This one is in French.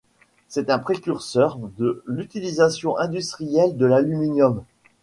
C'est un précurseur de l'utilisation industrielle de l'aluminium.